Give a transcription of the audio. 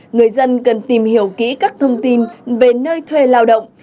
người dân cần tìm hiểu kỹ các thông tin về nơi thuê lao động